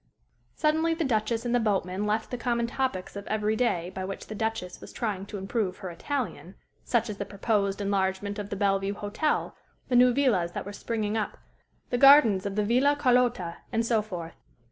Suddenly the Duchess and the boatman left the common topics of every day by which the Duchess was trying to improve her Italian such as the proposed enlargement of the Bellevue Hotel, the new villas that were springing up, the gardens of the Villa Carlotta, and so forth.